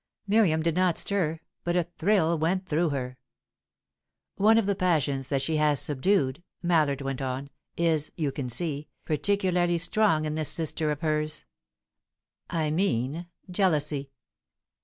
Miriam did not stir, but a thrill went through her. "One of the passions that she has subdued," Mallard went on, "is, you can see, particularly strong in this sister of hers. I mean jealousy.